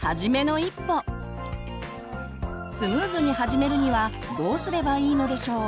スムーズに始めるにはどうすればいいのでしょう？